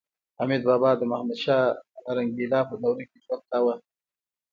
حمید بابا د محمدشاه رنګیلا په دوره کې ژوند کاوه